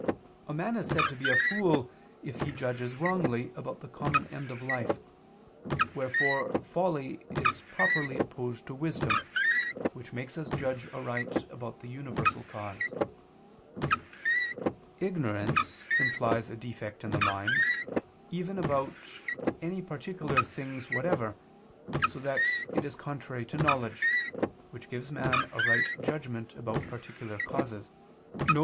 A man is said to be a fool if he judges wrongly about the common end of life, wherefore folly is properly opposed to wisdom, which makes us judge aright about the universal cause. Ignorance implies a defect in the mind, even about any particular things whatever, so that it is contrary to knowledge, which gives man a right judgment about particular causes, viz.